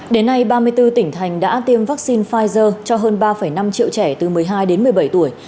đến nay ba mươi bốn tỉnh thành đã tiêm vaccine pfizer cho hơn ba năm triệu trẻ từ một mươi hai đến một mươi bảy tuổi